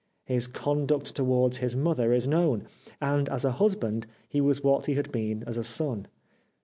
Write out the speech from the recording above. His conduct towards his mother is known ; and as a husband he was what he had been as a son.